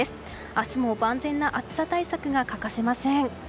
明日も万全な暑さ対策が欠かせません。